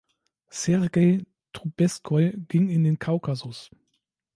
Sergei Trubezkoi ging in den Kaukasus.